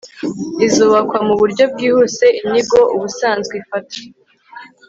izubakwa mu buryo bwihuse inyigo ubusanzwe ifata